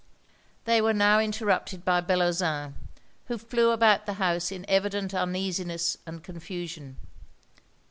They were now interrupted by Bellozane, who flew about the house in evident uneasiness and confusion.